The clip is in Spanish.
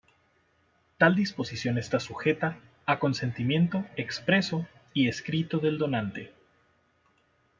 Tal disposición está sujeta a consentimiento expreso y escrito del donante.